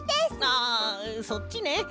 あそっちね。